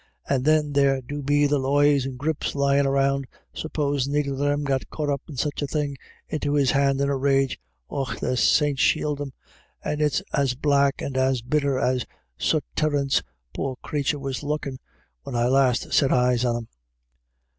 And then there do be the loys and graips lyin' around — supposin' either of them caught up such a thing into his hand in a rage — och, the saints shield them ! And it's as black and as bitter as sut Terence, poor crathur was lookin' when I last set eyes on him."